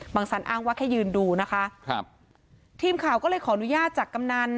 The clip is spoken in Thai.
สันอ้างว่าแค่ยืนดูนะคะครับทีมข่าวก็เลยขออนุญาตจากกำนัน